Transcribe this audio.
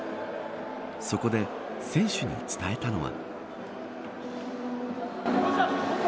そこで選手に伝えたのは。